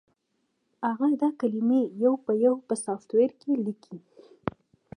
هغه دا کلمې یو په یو په سافټویر کې لیکلې